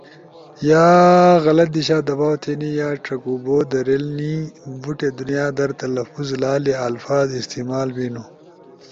یا غلط دیشا دباؤ تھینی، یا چکو بو دھریلنی، بوٹی دنیا در تلفظ لالی الفاظ استعمال بینو،